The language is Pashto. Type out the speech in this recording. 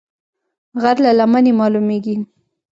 غر له لمنې مالومېږي